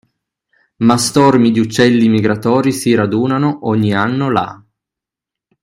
Ma stormi di uccelli migratori si radunano ogni anno là